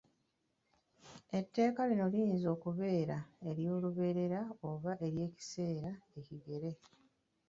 Etteeka lino liyinza okubeera eryolubeerera oba eryekiseera ekigere.